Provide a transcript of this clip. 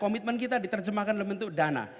komitmen kita diterjemahkan dalam bentuk dana